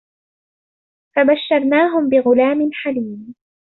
فبشرناه بغلام حليم